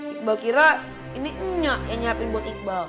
iqbal kira ini nyak yang nyiapin buat iqbal